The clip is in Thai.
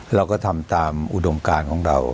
เราก็ทำตามอุดมการของเรา